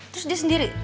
terus dia sendiri